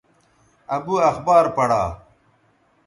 ابو اخبار پڑا